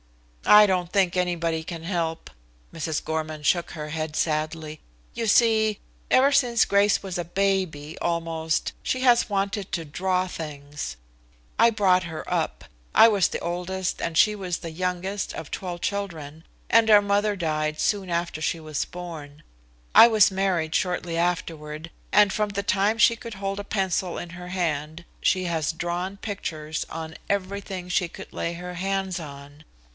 "I don't think anybody can help." Mrs. Gorman shook her head sadly. "You see, ever since Grace was a baby, almost, she has wanted to draw things. I brought her up. I was the oldest and she the youngest of 12 children, and our mother died soon after she was born. I was married shortly afterward, and from the time she could hold a pencil in her hand she has drawn pictures on everything she could lay her hands on.